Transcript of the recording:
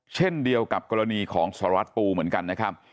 เช่นเดียวกับกรณีของสารวัตรปูเหมือนกันนะครับ